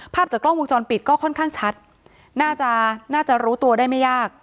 ภาพจากกล้องวงจรปิดก็ค่อนข้างชัดน่าจะน่าจะรู้ตัวได้ไม่ยาก